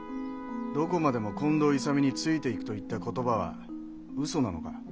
どこまでも近藤勇についていくと言った言葉は嘘なのか？